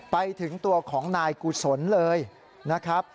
ไปถึงตัวของนายกุศลเลยนะครับ